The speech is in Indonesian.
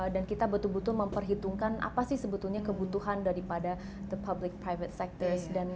dan kita betul betul memperhitungkan apa sih sebetulnya kebutuhan daripada sektor sektor publik dan lintas sektoral